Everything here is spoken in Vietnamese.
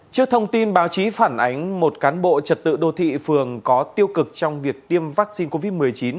trước thông tin báo chí phản ánh một cán bộ trật tự đô thị phường có tiêu cực trong việc tiêm vaccine covid một mươi chín